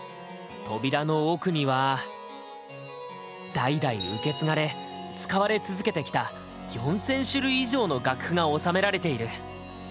扉の奥には代々受け継がれ使われ続けてきた４０００種類以上の楽譜が収められている。